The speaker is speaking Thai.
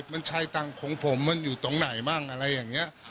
มันใช้ตังค์ของผมมันอยู่ตรงไหนบ้างอะไรอย่างนี้